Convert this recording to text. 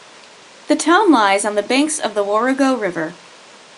The town lies on the banks of the Warrego River.